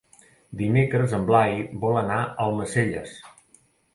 Dimecres en Blai vol anar a Almacelles.